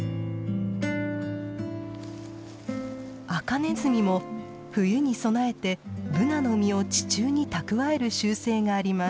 アカネズミも冬に備えてブナの実を地中に蓄える習性があります。